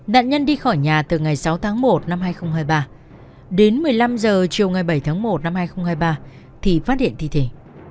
nạn nhân đi khỏi nhà từ ngày sáu tháng một năm hai nghìn hai mươi ba đến một mươi năm h chiều ngày bảy tháng một năm hai nghìn hai mươi ba thì phát hiện thi thể